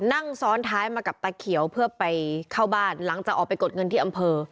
นั่งซ้อนท้ายมากับตาเขียวเพื่อไปเข้าบ้านหลังจากออกไปกดเงินที่อำเภอ